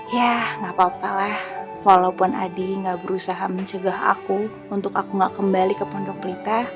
ya gapapa lah walaupun adi ga berusaha mencegah aku untuk aku ga kembali ke pondok pelita